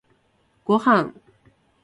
ごはん